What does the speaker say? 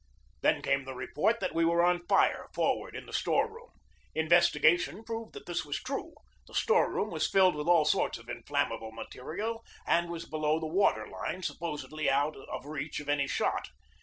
Then came the report that we were on fire for ward in the store room. Investigation proved that this was true. The store room was filled with all sorts of inflammable material and was below the water line, supposedly out of reach of any shot.